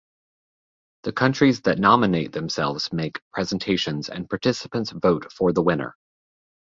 The countries that nominate themselves make presentations and participants vote for the winner.